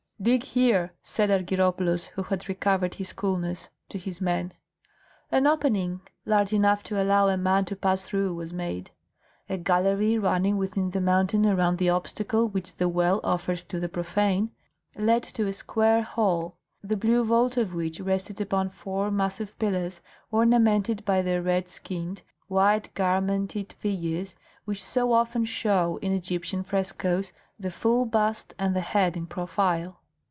"Dig here," said Argyropoulos, who had recovered his coolness, to his men. An opening large enough to allow a man to pass through was made. A gallery running within the mountain around the obstacle which the well offered to the profane, led to a square hall, the blue vault of which rested upon four massive pillars ornamented by the red skinned, white garmented figures which so often show, in Egyptian frescoes, the full bust and the head in profile.